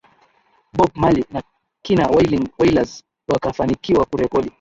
Bob Marley na kina Wailing Wailers wakafanikiwa kurekodi